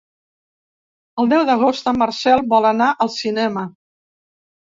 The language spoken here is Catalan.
El deu d'agost en Marcel vol anar al cinema.